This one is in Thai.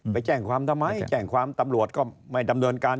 ไปแจ้งความทำไมแจ้งความตำรวจก็ไม่ดำเนินการ